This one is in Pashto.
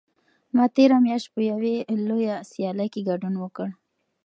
ما تېره میاشت په یوې لویه سیالۍ کې ګډون وکړ.